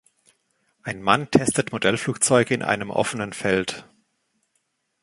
Ein Mann testet Modellflugzeuge in einem offenen Feld.